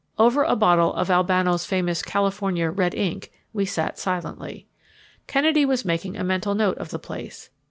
Over a bottle of Albano's famous California "red ink" we sat silently. Kennedy was making a mental note of the place.